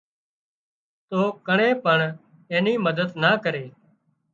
تو ڪڻين پڻ اين مدد نا ڪرِي